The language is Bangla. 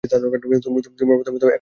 তোমরা প্রথমে একত্ব হইতে শুরু কর।